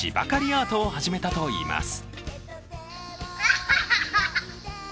アートを始めたといいます。